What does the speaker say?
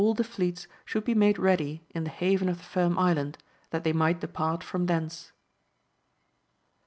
255 the fleets should be made ready in the haven of the Firm Island, that they might depart from thence.